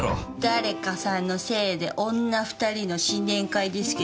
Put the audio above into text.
誰かさんのせいで女２人の新年会ですけど何か？